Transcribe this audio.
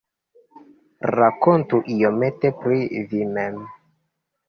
Rakontu iomete pri vi mem.